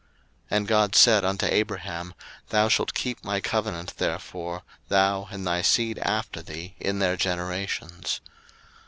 01:017:009 And God said unto Abraham, Thou shalt keep my covenant therefore, thou, and thy seed after thee in their generations.